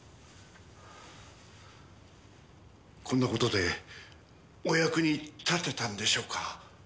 こんな事でお役に立てたんでしょうか。